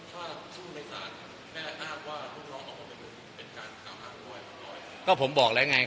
ถ้าสู้ในศาลแน่นอนว่าคุณรอบของมันเป็นการสามารถปล่อย